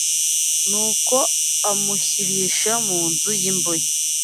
nuko amushyirisha mu nzu y’imbohe